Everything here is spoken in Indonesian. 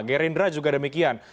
gerindra juga demikian